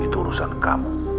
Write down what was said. itu urusan kamu